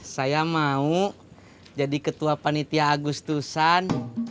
saya mau jadi ketua panitia agus tusan